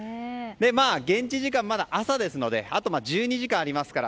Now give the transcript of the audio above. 現地時間、まだ朝ですのであと１２時間ありますから